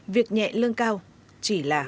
việc nhẹ lưng cao chỉ là